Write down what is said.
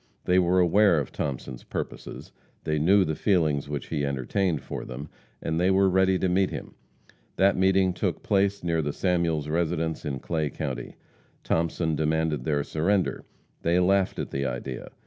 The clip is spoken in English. They were aware of Thomason's purposes, they knew the feelings which he entertained for them, and they were ready to meet him. That meeting took place near the Samuels residence in Clay county. Thomason demanded their surrender. They laughed at the idea.